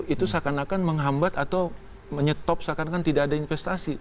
itu seakan akan menghambat atau menyetop seakan akan tidak ada investasi